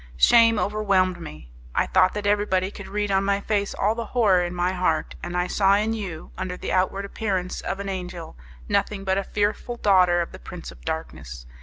Shame overwhelmed me! I thought that everybody could read on my face all the horror in my heart, and I saw in you, under the outward appearance of an angel, nothing but a fearful daughter of the Prince of Darkness.